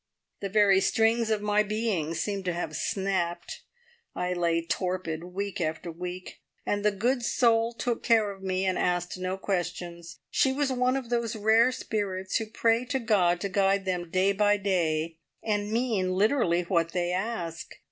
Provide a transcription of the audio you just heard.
The very strings of my being seemed to have snapped. I lay torpid week after week, and the good soul took care of me and asked no questions. She was one of those rare spirits who pray to God to guide them day by day, and mean literally what they ask.